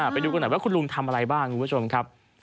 ไปดูกันหน่อยว่าคุณลุงทำอะไรบ้างคุณผู้ชมครับ